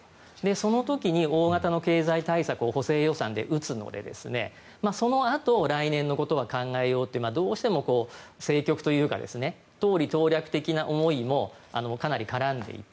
その時に大型の経済対策を補正予算で打つのでそのあと来年のことは考えようとどうしても政局というか党利党略的な思いもかなり絡んでいて。